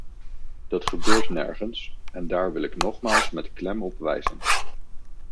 Dat gebeurt nergens, en daar wil ik nogmaals met klem op wijzen.